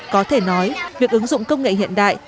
có thể nói việc ứng dụng công nghệ hiện đại